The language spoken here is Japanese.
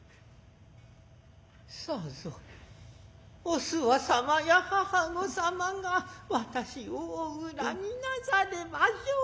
さぞおすわ様や母御様が私をお恨みなされましょう。